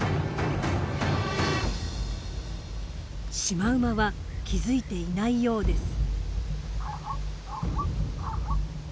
シマウマは気付いていないようです。